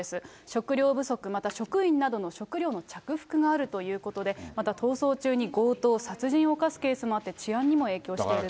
食糧不足、また職員などの食糧の着服があるということで、また逃走中に強盗、殺人を犯すケースもあって、治安にも影響していると。